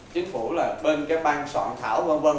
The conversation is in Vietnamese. chính phủ là bên cái bang soạn thảo vân vân